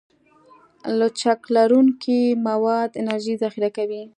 لچک لرونکي مواد انرژي ذخیره کوي.